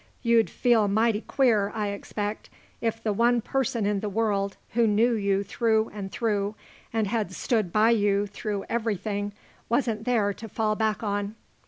You'd feel mighty queer, I expect, if the one person in the world who knew you through and through and had stood by you through everything wasn't there to fall back on."